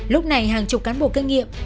lúc này hàng chục cán bộ kinh nghiệm